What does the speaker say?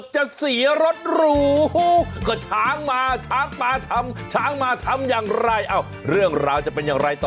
ช้างมาช้างปลาทำช้างมาทำอย่างไรเอ้าเรื่องราวจะเป็นอย่างไรต่อ